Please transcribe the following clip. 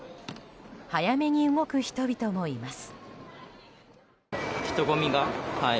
早めに動く人々もいます。